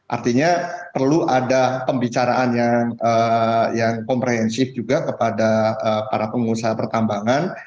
artinya perlu ada pembicaraan yang komprehensif juga kepada para pengusaha pertambangan